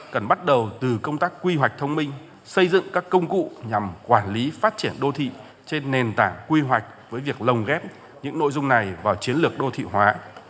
cần bắt đầu từ công tác quy hoạch thông minh xây dựng các công cụ nhằm quản lý phát triển đô thị trên nền tảng quy hoạch với việc lồng ghép những nội dung này vào chiến lược đô thị hóa